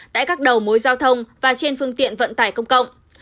tại các đầu mối giao thông và trên phương tiện vận tải công cộng